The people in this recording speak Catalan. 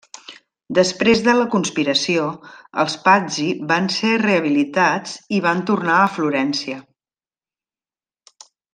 Després de la conspiració, els Pazzi van ser rehabilitats i van tornar a Florència.